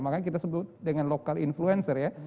makanya kita sebut dengan local influencer ya